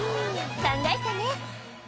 考えたね。